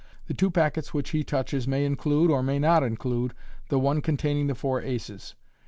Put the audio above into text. The two packets which he touches may include, or may not include, the one containing the four aces.